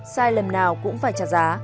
sai lầm nào cũng phải trả giá